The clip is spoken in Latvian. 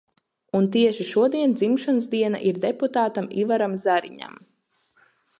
Un tieši šodien dzimšanas diena ir deputātam Ivaram Zariņam.